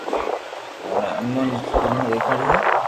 اوڻي امو نين دنيا دآکاري ھي